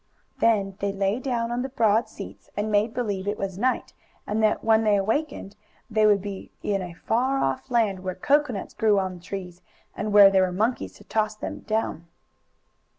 Then they lay down on the broad seats and made believe it was night and that, when they awakened, they would be in a far off land where coconuts grew on trees and where there were monkeys to toss them down.